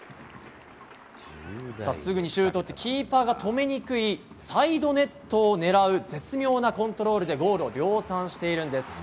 すぐにシュートを打ってキーパーが止めにくいサイドネットを狙う絶妙なコントロールでゴールを量産しているんです。